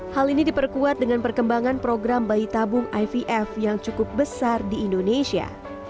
hal ini diperkuat dengan perkembangan program bayi tabung ivf yang cukup besar di indonesia